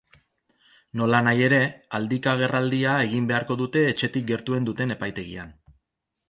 Nolanahi ere, aldika agerraldia egin beharko dute etxetik gertuen duten epaitegian.